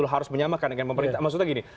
harus menyamakan dengan pemerintah maksudnya gini